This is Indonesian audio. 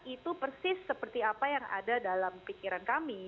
itu persis seperti apa yang ada dalam pikiran kami